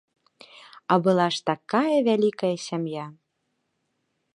А была ж такая вялікая сям'я!